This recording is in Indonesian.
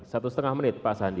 satu setengah menit pak sandi